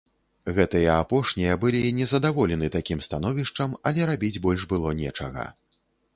Гэтыя апошнія былі незадаволены такім становішчам, але рабіць больш было нечага.